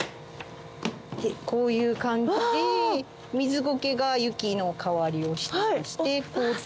こういう感じでミズゴケが雪の代わりをしてまして。